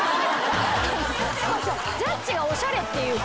ジャッジがおしゃれっていうか。